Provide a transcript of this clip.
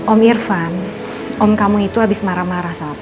om irfan om kamu itu habis marah marah sama